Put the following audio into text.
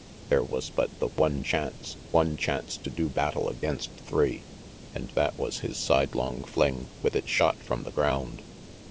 There was but the one chance, one chance to do battle against three. And that was his sidelong fling, with its shot from the ground.